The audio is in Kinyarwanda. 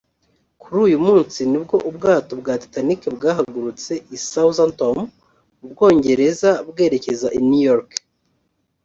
Kuri uyu munsi nibwo ubwato bwa Titanic bwahagurutse i Southamptom mu bwongereza bwerekeza i New York